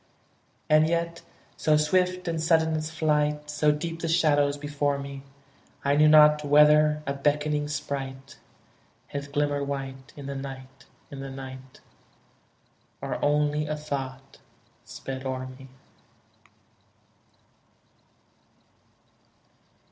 And yet so swift and sudden its flight, So deep the shadows before me, I knew not whether a beckoning sprite Had glimmered white, in the night, in the night, Or only a thought sped o'er me.